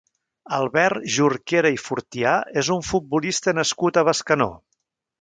Albert Jorquera i Fortià és un futbolista nascut a Bescanó.